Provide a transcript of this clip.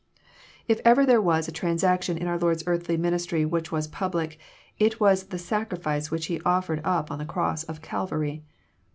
If ever there was a transaction in our Lord's earthly ministry which was public, it was the Sacrifice which He offered up on the cross of Calvary.